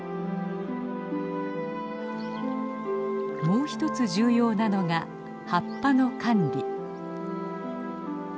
もう一つ重要なのが葉っぱの管理。